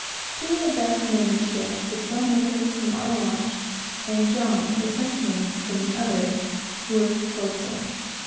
Two of the best men in the ship the sailmaker from our watch, and John, the Frenchman, from the other, worked the forecastle.